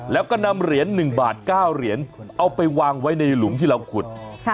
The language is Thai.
แล้วก็นำเหรียญ๑บาท๙เหรียญเอาไปวางไว้ในหลุมที่เราขุด